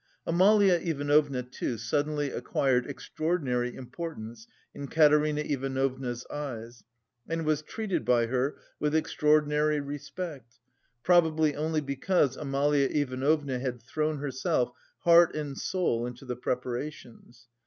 Amalia Ivanovna, too, suddenly acquired extraordinary importance in Katerina Ivanovna's eyes and was treated by her with extraordinary respect, probably only because Amalia Ivanovna had thrown herself heart and soul into the preparations.